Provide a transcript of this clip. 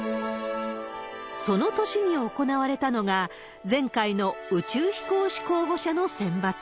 その年に行われたのが、前回の宇宙飛行士候補者の選抜。